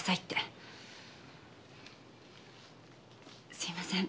すいません。